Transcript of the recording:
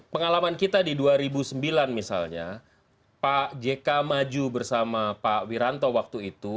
pengalaman kita di dua ribu sembilan misalnya pak jk maju bersama pak wiranto waktu itu